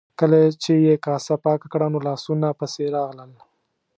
کله چې یې کاسه پاکه کړه نو لاسونو پسې راغلل.